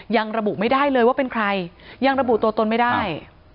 ยังระบุไม่ได้เลยว่าเป็นใครยังระบุตัวตนไม่ได้